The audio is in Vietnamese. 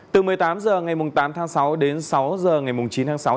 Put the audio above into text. từ một mươi tám h ngày tám tháng sáu đến sáu h ngày chín tháng sáu